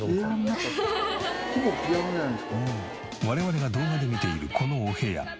我々が動画で見ているこのお部屋。